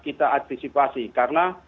kita antisipasi karena